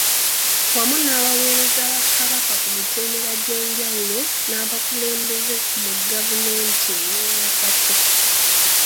Wamu n’abaweereza ba Kabaka ku mitendera egyenjawulo n’abakulembeze mu gavumenti eyaawakati.